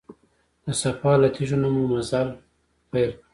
د صفا له تیږو نه مو مزل پیل کړ.